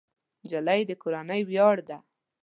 نجلۍ د کورنۍ ویاړ ده.